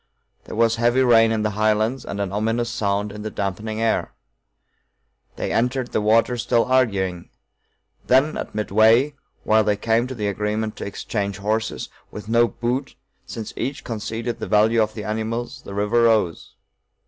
There was heavy rain in the highlands and an ominous sound in the dampening air. They entered the water still arguing. Then, at midway, while they came to the agreement to exchange horses, with no 'boot,' since each conceded the value of the animals, the river rose.